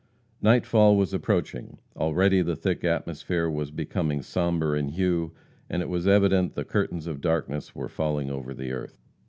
Nightfall was approaching. Already the thick atmosphere was becoming sombre in hue, and it was evident the curtains of darkness were falling over the earth.